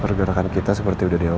pergerakan kita seperti udah diawasin